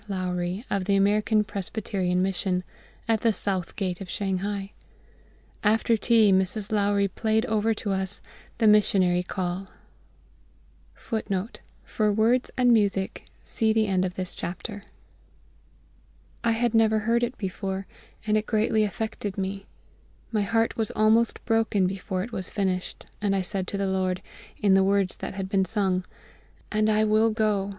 Lowrie, of the American Presbyterian Mission, at the South Gate of Shanghai. After tea Mrs. Lowrie played over to us "The Missionary Call." I had never heard it before, and it greatly affected me. My heart was almost broken before it was finished, and I said to the LORD, in the words that had been sung "And I will go!